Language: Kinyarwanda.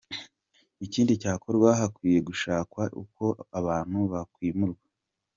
Ikindi cyakorwa hakwiye gushakwa uko abantu bakwimurwa.